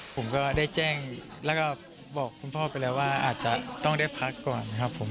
ผมก็ได้แจ้งแล้วก็บอกคุณพ่อไปแล้วว่าอาจจะต้องได้พักก่อนครับผม